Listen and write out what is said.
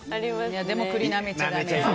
でも栗、なめちゃダメ。